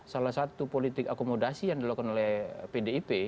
salah satu politik akomodasi yang dilakukan oleh pdip